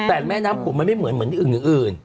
แต่แม่น้ำโขงมันไม่เหมือนอื่น